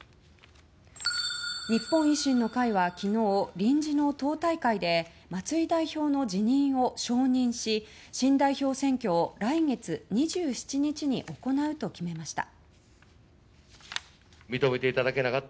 日本維新の会は昨日臨時の党大会で松井代表の辞任を承認し新代表選挙を来月２７日に行うと決めました。